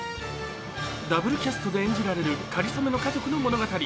ダブルキャストで演じられるかりそめの家族の物語。